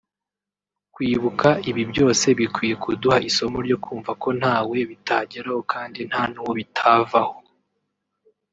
Kwibuka ibi byose bikwiye kuduha isomo ryo kumva ko ntawe bitageraho kandi nta n’uwo bitavaho